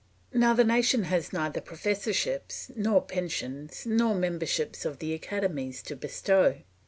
Now the nation has neither professorships, nor pensions, nor membership of the academies to bestow.